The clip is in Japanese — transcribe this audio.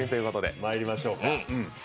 まいりましょうか。